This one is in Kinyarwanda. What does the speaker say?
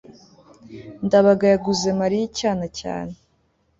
ndabaga yaguze mariya icyana cyane